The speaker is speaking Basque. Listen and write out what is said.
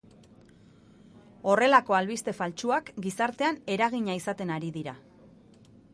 Horrelako albiste faltsuak gizartean eragina izaten ari dira.